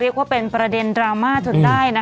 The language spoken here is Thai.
เรียกว่าเป็นประเด็นดราม่าจนได้นะคะ